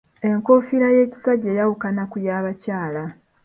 Enkoofiira y'ekisajja eyawukana ku y'abakyala.